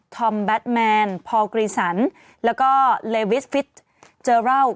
อมแบทแมนพอลกรีสันแล้วก็เลวิสฟิตเจอรัล